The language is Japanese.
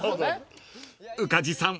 ［宇梶さん